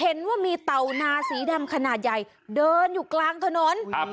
เห็นว่ามีเต่านาสีดำขนาดใหญ่เดินอยู่กลางถนนครับ